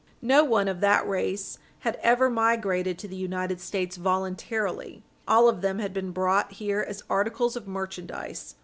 No one of that race had ever migrated to the United States voluntarily; all of them had been brought here as articles of merchandise.